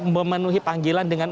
memenuhi panggilan dengan